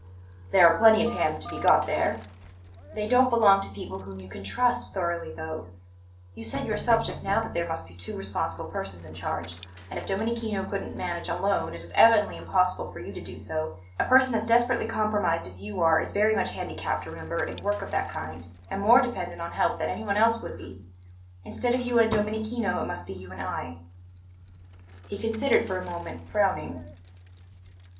"There are plenty of hands to be got there." "They don't belong to people whom you can trust thoroughly, though. You said yourself just now that there must be two responsible persons in charge; and if Domenichino couldn't manage alone it is evidently impossible for you to do so. A person as desperately compromised as you are is very much handicapped, remember, in work of that kind, and more dependent on help than anyone else would be. Instead of you and Domenichino, it must be you and I." He considered for a moment, frowning.